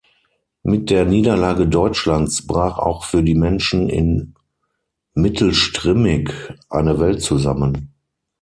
Mit der Niederlage Deutschlands brach auch für die Menschen in Mittelstrimmig eine Welt zusammen.